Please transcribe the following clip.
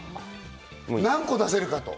何個出せるかと。